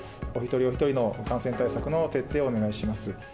お一人お一人の感染対策の徹底をお願いします。